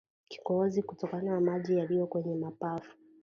Kikohozi kutoka na maji yaliyo kwenye mapafu